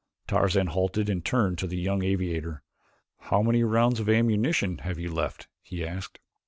Tarzan halted and turned to the young aviator. "How many rounds of ammunition have you left?" he asked.